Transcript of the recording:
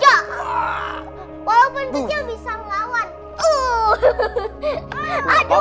jangan terlupa kasian nantinya minta giwa dan gelar gelar